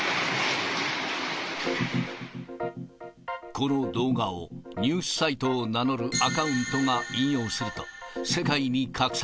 この動画をニュースサイトを名乗るアカウントが引用すると、世界に拡散。